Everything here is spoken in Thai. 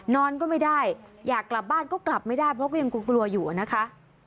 นอนก็ไม่ได้อยากกลับบ้านก็กลับไม่ได้เพราะก็ยังกลัวอยู่นะคะ